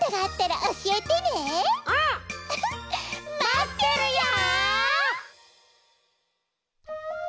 まってるよ！